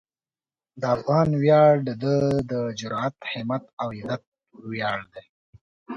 د افغان ویاړ د ده د جرئت، همت او عزت ویاړ دی.